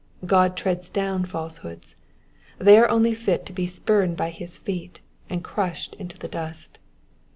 God treads down falsehoods ; they are only fit to be spurned by his feet, and crushed into the dust.